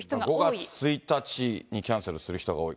５月１日にキャンセルする人が多い。